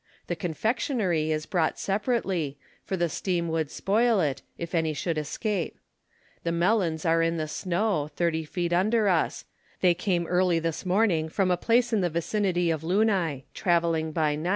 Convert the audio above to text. The confectionery is brought separately, for the steam would spoil it, if any should escape. The melons are in the snow, thirty feet under us : they came early this morning from a place in the vicinity of Luni, travelling by night, Ccesar.